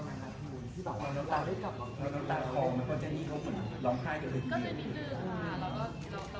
เพราะว่ามันก็จะเหลือเหล่าจริงหรือเปล่า